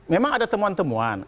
memang ada temuan temuan